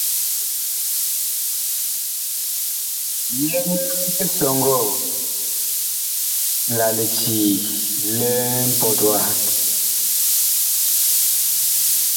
Yegee lisɔŋgɔɔ la licii li mpɔt waha.